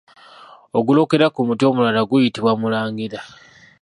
Ogulokera ku muti omulala guyitibwa mulangira.